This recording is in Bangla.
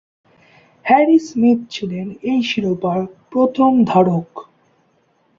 হ্যারি স্মিথ ছিলেন এই শিরোপার প্রথম ধারক।